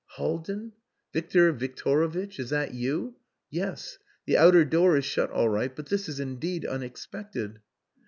"Haldin!... Victor Victorovitch!... Is that you?... Yes. The outer door is shut all right. But this is indeed unexpected."